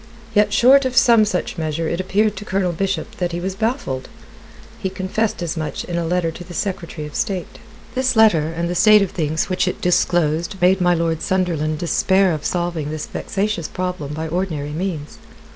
Yet short of some such measure, it appeared to Colonel Bishop that he was baffled. He confessed as much in a letter to the Secretary of State. This letter and the state of things which it disclosed made my Lord Sunderland despair of solving this vexatious problem by ordinary means.